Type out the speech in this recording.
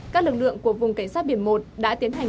các lực lượng của vùng cảnh sát biển một đã tiến hành